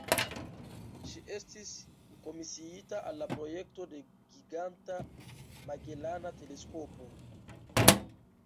Ŝi estis komisiita al la projekto de Giganta Magelana Teleskopo.